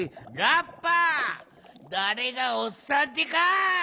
ラッパーだれがおっさんってか！？